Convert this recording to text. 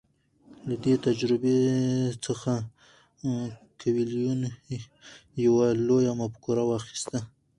له دې تجربې څخه کویلیو یوه لویه مفکوره واخیسته.